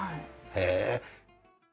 へえ。